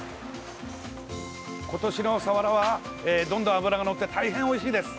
今年のサワラは、どんどん脂がのって大変おいしいです。